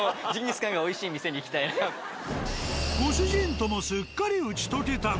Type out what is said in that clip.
ご主人ともすっかり打ち解けたが。